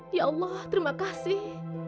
ya allah terima kasih